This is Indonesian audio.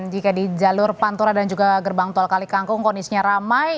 jika di jalur pantura dan juga gerbang tol kalikangkung kondisinya ramai